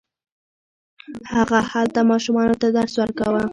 هغه هلته ماشومانو ته درس ورکاوه.